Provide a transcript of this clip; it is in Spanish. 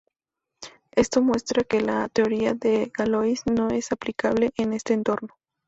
Esto muestra que la teoría de Galois no es aplicable en este entorno.